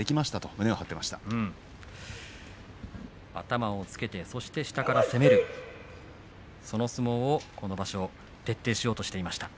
頭をつけてそして下から攻めるその相撲をこの場所徹底しようとしていました。